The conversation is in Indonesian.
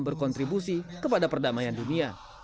berkontribusi kepada perdamaian dunia